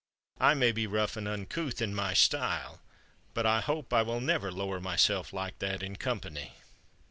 I may be rough and uncouth in my style, but I hope I will never lower myself like that in company."